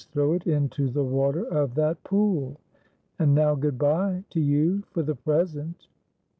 throw it into the water of that pool ; and now good bye to you for the present."